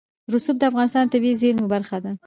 رسوب د افغانستان د طبیعي زیرمو برخه ده.